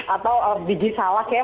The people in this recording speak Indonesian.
atau biji salad ya